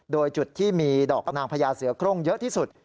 โดยจุดที่มีดอกนางพญาเสือโครงเยอะที่สุด